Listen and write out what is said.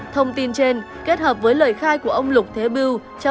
thông tin trên kết hợp với lời khai của ông lục thế bưu cho